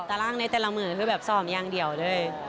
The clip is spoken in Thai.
แต่ร่างในแต่ละหมื่นคือแบบซ่อมอย่างเดียวเลย